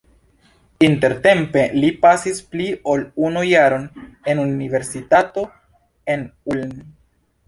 Intertempe li pasis pli ol unu jaron en universitato en Ulm.